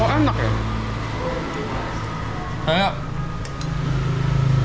baru sekali makan sorghum goreng